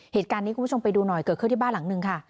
เหตุการณ์นี้คุณผู้ชมไปดูหน่อยเกิดขึ้นที่บ้านหลังนึงค่ะ